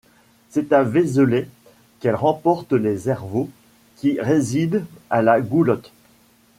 C'est à Vézelay qu'elle rencontre les Zervos qui résident à La Goulotte.